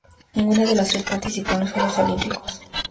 Ninguna de las tres participó en los Juegos Olímpicos.